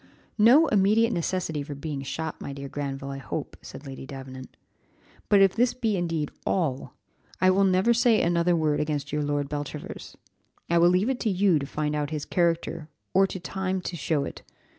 "No immediate necessity for being shot, my dear Granville, I hope," said Lady Davenant. "But if this be indeed all, I will never say another word against your Lord Beltravers; I will leave it to you to find out his character, or to time to show it.